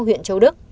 huyện châu đức